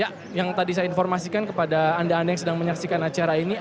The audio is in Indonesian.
ya yang tadi saya informasikan kepada anda anda yang sedang menyaksikan acara ini